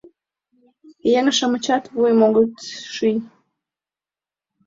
Еҥ-шамычат вуйым огыт ший.